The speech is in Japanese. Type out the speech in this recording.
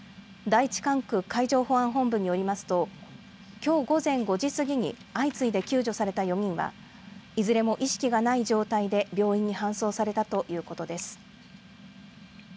第１管区海上保安本部によりますときょう午前５時過ぎに相次いで救助された４人はいずれも意識がない状態で病院に搬送されたということです。